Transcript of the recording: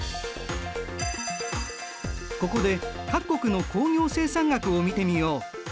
ここで各国の工業生産額を見てみよう。